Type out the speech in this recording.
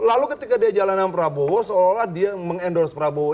lalu ketika dia jalanan prabowo seolah olah dia mengendorse prabowo